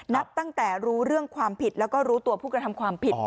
นับตั้งแต่รู้เรื่องความผิดแล้วก็รู้ตัวผู้กระทำความผิด